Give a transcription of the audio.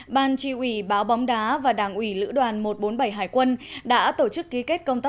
ban tri ủy báo bóng đá và đảng ủy lữ đoàn một trăm bốn mươi bảy hải quân đã tổ chức ký kết công tác